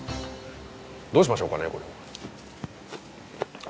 どうしましょうかねこれ。